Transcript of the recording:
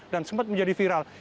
dan sempat menjadi viral